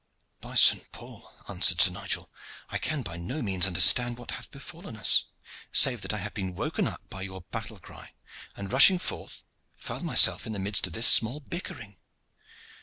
"By St. Paul!" answered Sir Nigel, "I can by no means understand what hath befallen us, save that I have been woken up by your battle cry, and, rushing forth, found myself in the midst of this small bickering.